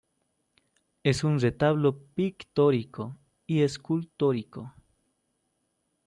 Es un retablo pictórico y escultórico.